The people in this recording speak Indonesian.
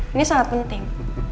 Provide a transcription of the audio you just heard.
ini sangat penting